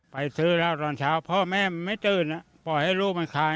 ไปซื้อแล้วตอนเช้าพ่อแม่ไม่ตื่นปล่อยให้ลูกมันขาย